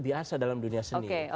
biasa dalam dunia seni